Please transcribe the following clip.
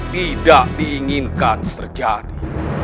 tidak diinginkan terjadi